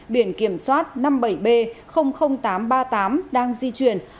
biển kiểm soát năm mươi bảy b tám trăm ba mươi tám đang di chuyển